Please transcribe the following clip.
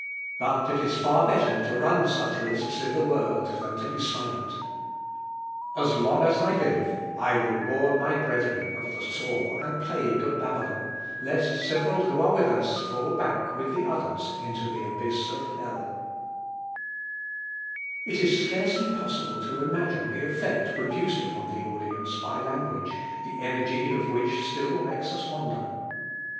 But it is far better to run such risks in the world than to be silent! As long as I live I will warn my brethren of the sore and plague of Babylon, lest several who are with us fall back with the others into the abyss of hell." [Sidenote: LUTHER AGAINST THE POPE.] It is scarcely possible to imagine the effect produced upon the audience by language, the energy of which still makes us wonder.